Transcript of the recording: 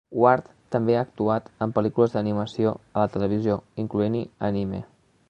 Ward també ha actuat en pel·lícules d'animació a la televisió, incloent-hi anime.